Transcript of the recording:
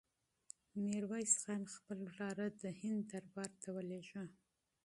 میرویس خان خپل وراره د هند دربار ته ولېږه.